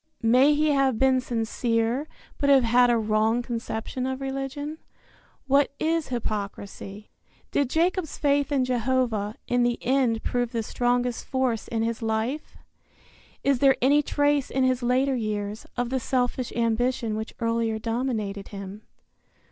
May he have been sincere, but have had a wrong conception of religion? What is hypocrisy? Did Jacob's faith in Jehovah, in the end prove the strongest force in his life? Is there any trace in his later years, of the selfish ambition which earlier dominated him?